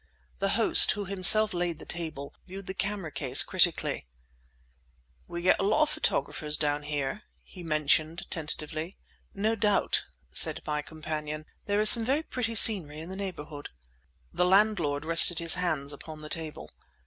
The host, who himself laid the table, viewed the camera case critically. "We get a lot of photographers down here," he remarked tentatively. "No doubt," said my companion. "There is some very pretty scenery in the neighbourhood." The landlord rested his hands upon the table.